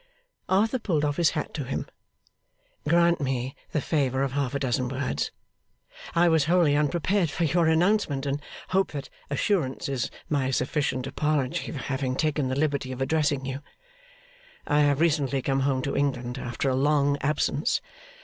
Arthur pulled off his hat to him. 'Grant me the favour of half a dozen words. I was wholly unprepared for your announcement, and hope that assurance is my sufficient apology for having taken the liberty of addressing you. I have recently come home to England after a long absence.